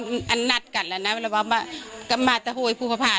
ปกติพี่สาวเราเนี่ยครับเป็นคนเชี่ยวชาญในเส้นทางป่าทางนี้อยู่แล้วหรือเปล่าครับ